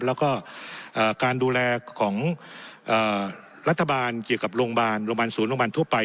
แล้วก็การดูแลของรัฐบาลเกี่ยวกับโรงพยาบาลโรงพยาบาลศูนย์โรงพยาบาลทั่วไป